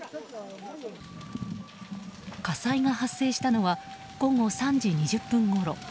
火災が発生したのは午後３時２０分ごろ。